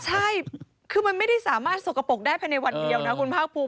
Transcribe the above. ใช่คือมันไม่ได้สามารถสกปรกได้ภายในวันเดียวนะคุณภาคภูมิ